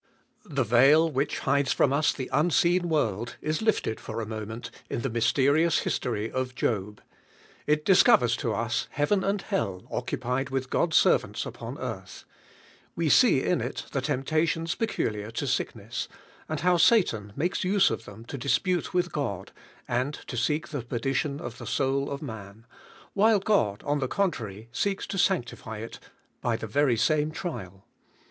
THE veil which hides from OS ilii' un seen world is. lifted fur a moment hi the mysterious history of Job; it dis covers to us heaven and hell occupied with God's servants upon earth, "We see in it the temptations peculiar to sickness, and how Satan makes use of them to dis pute with God, and to seek the perdition of i in Bonl of man, while God, on the contrary, seeks to sanctify it by the very same trial.